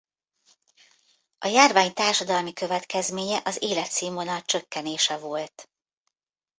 A járvány társadalmi következménye az életszínvonal csökkenése volt.